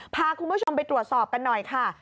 พาคุณผู้ชมไปตรวจสอบกันหน่อยค่ะ